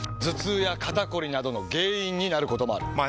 頭痛や肩こりなどの原因になることもある。